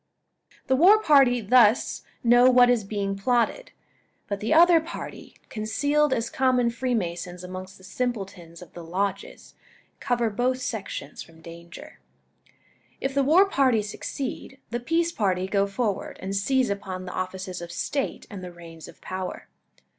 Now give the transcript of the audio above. The war party thus know what is being plotted. But the other party, concealed as common Freemasons amongst the simpletons of the lodges, cover both sections from danger. If the war party succeed, the peace party go forward and seize upon the offices of state and the reins of power.